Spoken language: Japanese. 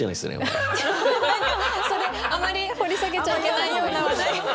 それあまり掘り下げちゃいけないような話題。